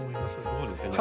そうですよね。